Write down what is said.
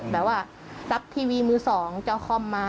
แบบว่ารับทีวีมือสองจะเอาคอมมา